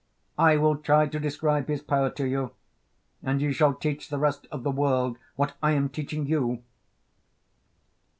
I will try to describe his power to you, and you shall teach the rest of the world what I am teaching you.